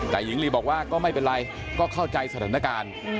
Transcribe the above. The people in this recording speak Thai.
แต่หญิงลีบอกว่าก็ไม่เป็นไรก็เข้าใจสถานการณ์